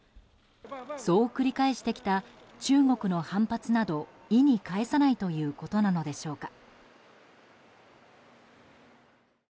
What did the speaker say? そう繰り返してきた中国の反発など意に返さないということなのでしょうか。